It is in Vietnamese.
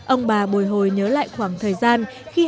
ông bà bồi hồi nhớ lại khoảng thời gian khi hạng